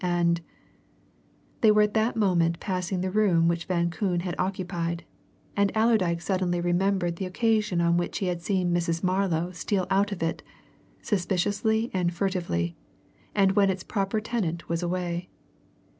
And " They were at that moment passing the room which Van Koon had occupied, and Allerdyke suddenly remembered the occasion on which he had seen Mrs. Marlow steal out of it, suspiciously and furtively, and when its proper tenant was away.